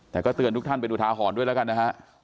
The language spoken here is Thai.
แต่เตือนทุกท่านว่าไปดูทาหรด้วยนะครับ